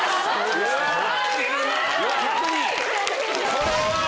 これは！